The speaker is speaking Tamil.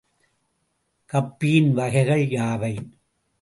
கப்பியின் வகைகள் யாவை?